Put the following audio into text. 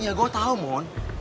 iya gua tau mon